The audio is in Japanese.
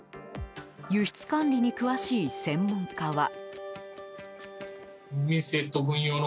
輸出管理に詳しい専門家は。